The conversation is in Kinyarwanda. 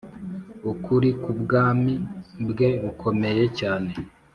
ukuri k ubwami bwe bukomeye cyane